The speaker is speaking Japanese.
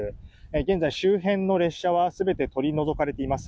現在、周辺の列車は全て取り除かれています。